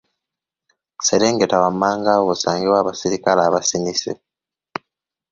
Serengeta wammanga awo osangewo abaserikale abasinise